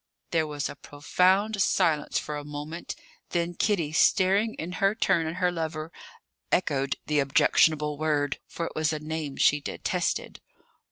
There was a profound silence for a moment; then Kitty, staring in her turn at her lover, echoed the objectionable word; for it was a name she detested.